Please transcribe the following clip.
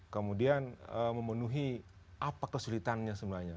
kemudian memenuhi apa kesulitannya sebenarnya